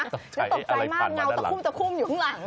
ฉันตกใจมากเงาตะคุ่มตะคุ่มอยู่ข้างหลัง